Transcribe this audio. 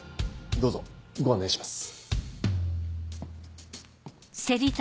どうぞご案内します。